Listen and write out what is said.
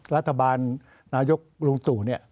รัฐบาลนายกลุงตุ